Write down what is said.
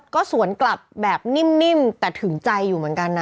ก็สวนกลับแบบนิ่มแต่ถึงใจอยู่เหมือนกันนะ